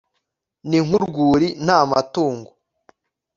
ni nk'urwuri nta matungo